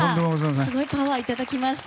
すごいパワーをいただきました。